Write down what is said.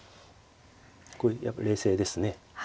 これやっぱり冷静ですね。